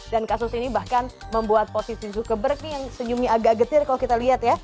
dan kasus ini bahkan membuat posisi zuckerberg nih yang senyumnya agak getir kalau kita lihat ya